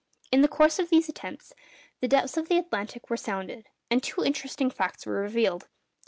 In the course of these attempts, the depths of the Atlantic were sounded, and two interesting facts were revealed.